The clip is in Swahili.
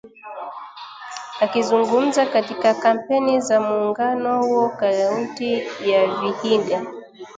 Akizungumza katika kampeni za muungano huo kaunti ya vihiga